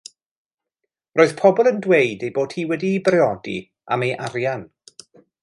Roedd pobl yn dweud ei bod hi wedi'i briodi am ei arian.